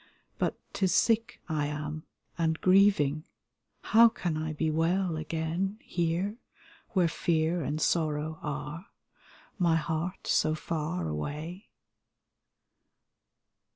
But 'tis sick I am and grieving, how can I be well again Here, where fear and sorrow are — ^my heart so far away?